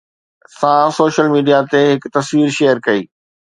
سان social media تي هڪ تصوير شيئر ڪئي